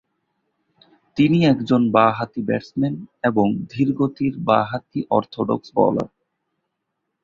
তিনি একজন বা-হাতি ব্যাটসম্যান এবং ধীরগতির বা-হাতি অর্থডক্স বোলার।